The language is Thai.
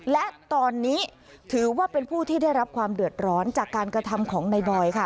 และตอนนี้ถือว่าเป็นผู้ที่ได้รับความเดือดร้อนจากการกระทำของในบอยค่ะ